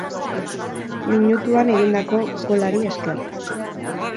Minutuan egindako golari esker.